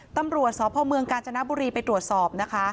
ตำรวจสพการจนาบุรีไปตรวจสอบนะคะ